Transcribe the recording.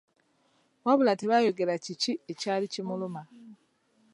Wabula tebaayogera kiki ekyali kimuluma.